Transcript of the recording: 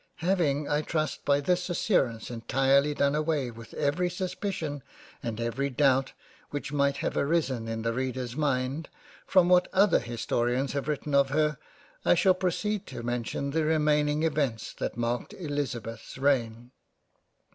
Having I trust by this assurance entirely done away every Suspicion and every doubt which might have arisen in the Reader's mind, from what other Historians have written of her, I shall proceed to mention the remaining Events that marked Eliza beth's reign.